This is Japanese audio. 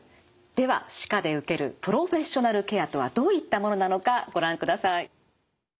では歯科で受けるプロフェッショナルケアとはどういったものなのかご覧ください。